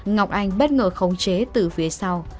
ngọc anh bất ngờ khống chế từ phía sau